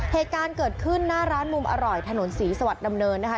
เหตุการณ์เกิดขึ้นหน้าร้านมุมอร่อยถนนศรีสวัสดิดำเนินนะคะ